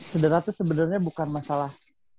sederah itu sebenernya bukan masalah